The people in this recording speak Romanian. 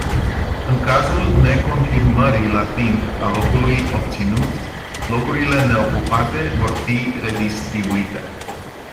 În cazul neconfirmării la timp a locului obținut, locurile neocupate vor fi redistribuite.